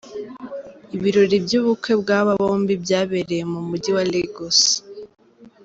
Ibirori by’ubukwe bw’aba bombi byabereye mu Mujyi wa Lagos.